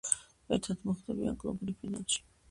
ერთად მოხვდებიან კლუბ გრიფინდორში.